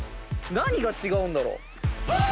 何が違うんだろう？